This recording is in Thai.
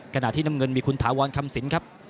ขณะที่น้ำเงินมีคุณถาวรคำสินครับ